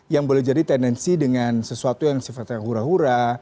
yang boleh jadi tendensi dengan sesuatu yang sifatnya hura hura